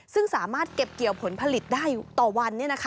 ซึ่งสามารถเก็บเกี่ยวผลผลิตได้ต่อวัน